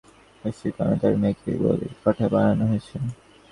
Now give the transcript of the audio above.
দুই দেশের মধ্যকার রাজনৈতিক পরিস্থিতির কারণে তাঁর মেয়েকে বলির পাঁঠা বানানো হয়েছে।